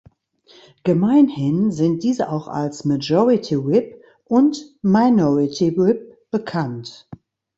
Gemeinhin sind diese auch als "Majority Whip" und "Minority Whip" bekannt.